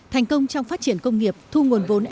thành công trong phát triển công nghiệp thu nguồn vốn